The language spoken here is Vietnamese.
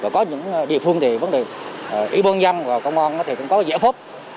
có những địa phương thì vấn đề ủy ban dân và công an cũng có giải phóp